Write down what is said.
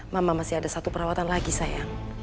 mama masih ada satu perawatan lagi saya